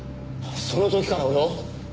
その時から俺を。